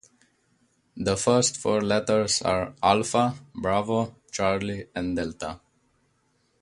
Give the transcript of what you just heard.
The first four letters are Alpha, Bravo, Charlie, and Delta.